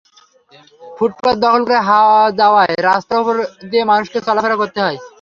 ফুটপাত দখল হয়ে যাওয়ায় রাস্তার ওপর দিয়ে মানুষকে চলাফেরা করতে হয়।